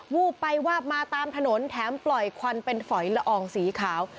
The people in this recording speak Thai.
วูบไปวาบมาตามถนนแถมปล่อยควันเป็นฝอยละอองสีขาว